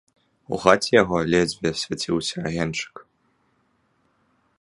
У хаце яго ледзьве свяціўся агеньчык.